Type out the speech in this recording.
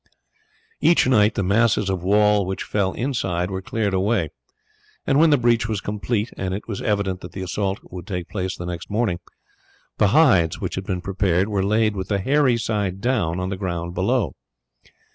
Each night the masses of wall which fell inside were cleared away, and when the breach was complete, and it was evident that the assault would take place the next morning, the hides which had been prepared were laid with the hairy side down, on the ground below.